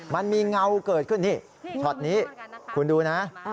มันมีเงาเกิดขึ้นนี่ช็อตนี้คุณดูนะ